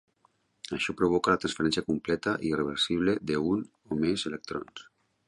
Això provoca la transferència completa i irreversible de un o més electrons.